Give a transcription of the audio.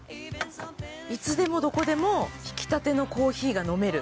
いつでもどこでもひきたてのコーヒーが飲める。